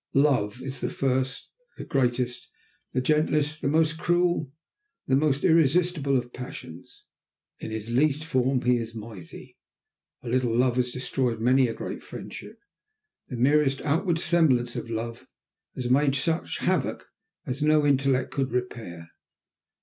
Love is the first, the greatest, the gentlest, the most cruel, the most irresistible of passions. In his least form he is mighty. A little love has destroyed many a great friendship. The merest outward semblance of love has made such havoc as no intellect could repair.